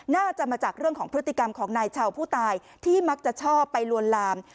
น่าจะมาจากเรื่องของพฤติกรรมของนายชาวผู้ตายที่มักจะชอบไปลวนลาม